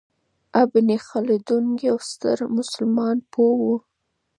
ابن خلدون یو ستر مسلمان پوه و.